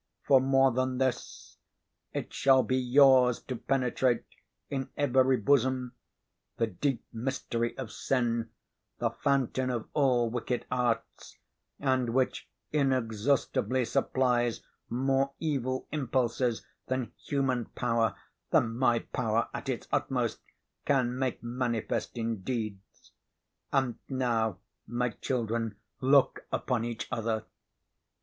Far more than this. It shall be yours to penetrate, in every bosom, the deep mystery of sin, the fountain of all wicked arts, and which inexhaustibly supplies more evil impulses than human power—than my power at its utmost—can make manifest in deeds. And now, my children, look upon each other."